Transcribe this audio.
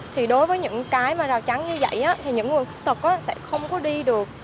thì đối với những cái mà rào chắn như vậy thì những người khuyết tật sẽ không có đi được